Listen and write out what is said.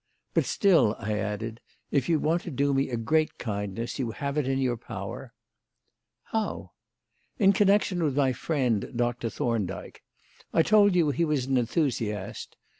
But still," I added, "if you want to do me a great kindness, you have it in your power." "How?" "In connection with my friend Doctor Thorndyke. I told you he was an enthusiast.